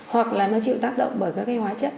hoặc là nó chịu tác động bởi các cái hóa chất